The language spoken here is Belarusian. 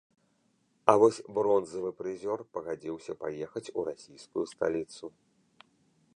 А вось бронзавы прызёр пагадзіўся паехаць у расійскую сталіцу.